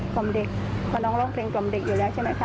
อมเด็กเพราะน้องร้องเพลงกล่อมเด็กอยู่แล้วใช่ไหมคะ